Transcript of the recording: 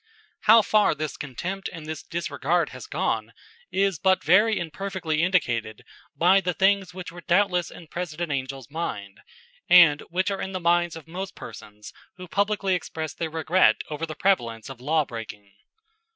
How far this contempt and this disregard has gone is but very imperfectly indicated by the things which were doubtless in President Angell's mind, and which are in the minds of most persons who publicly express their regret over the prevalence of law breaking.